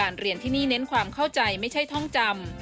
เรียนที่นี่เน้นความเข้าใจไม่ใช่ท่องจำ